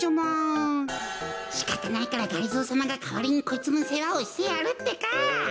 こころのこえしかたないからがりぞーさまがかわりにこいつのせわをしてやるってか。